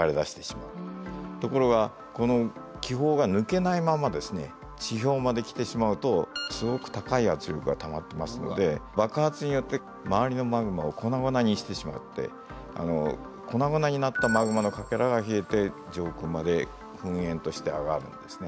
ところがこの気泡が抜けないまま地表まで来てしまうとすごく高い圧力がたまってますので爆発によって周りのマグマを粉々にしてしまって粉々になったマグマのかけらが冷えて上空まで噴煙として上がるんですね。